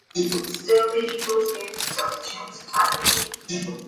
Still, the Eagles gave themselves a chance to tie the game.